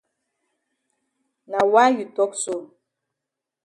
Na why you tok so?